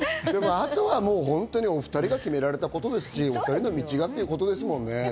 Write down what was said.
あとはお２人が決められたことですし、２人の道がっていうことですもんね。